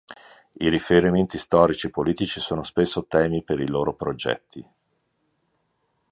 I riferimenti storici e politici sono spesso temi per i loro progetti.